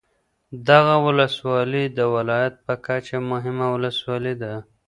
دغه ولسوالي د ولایت په کچه مهمه ولسوالي ده